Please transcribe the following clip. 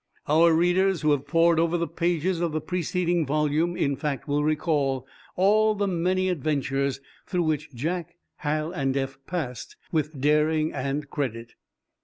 Our readers who have pored over the pages of the preceding volume, in fact, will recall all the many adventures through which Jack, Hal and Eph passed with daring and credit.